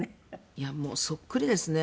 いやもうそっくりですね。